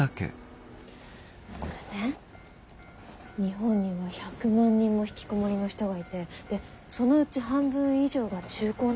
これね日本にも１００万人もひきこもりの人がいてでそのうち半分以上が中高年なんだって。